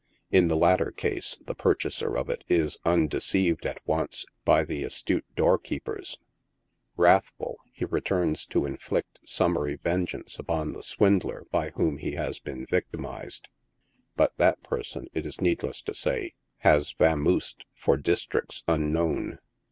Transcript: In the latter case, the purchaser of it is undeceived at once by the astute door keepers Wrathful he returns to inflict summary vengeance upon the swindler by whom he has been victimized, but that person, it is needless to say, has vamosed for districts unknown.